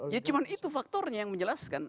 ya cuma itu faktornya yang menjelaskan